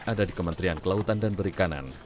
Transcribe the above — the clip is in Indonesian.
ada di kementerian kelautan dan perikanan